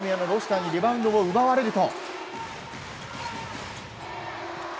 宇都宮もロシターにリバウンドを奪られると。